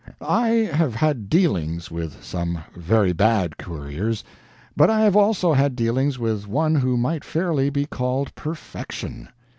I have had dealings with some very bad couriers; but I have also had dealings with one who might fairly be called perfection.